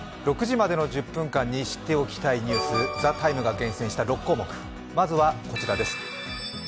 ６時までの１０分間に知っておきたいニュース、「ＴＨＥＴＩＭＥ，」が厳選した６項目、まずは、こちらです。